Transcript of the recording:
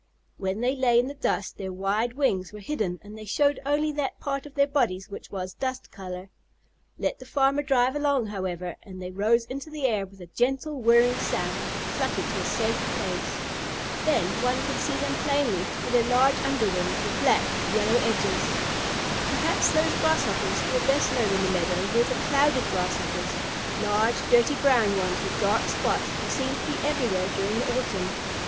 When they lay in the dust their wide wings were hidden and they showed only that part of their bodies which was dust color. Let the farmer drive along, however, and they rose into the air with a gentle, whirring sound and fluttered to a safe place. Then one could see them plainly, for their large under wings were black with yellow edges. Perhaps those Grasshoppers who were best known in the meadow were the Clouded Grasshoppers, large dirty brown ones with dark spots, who seemed to be everywhere during the autumn.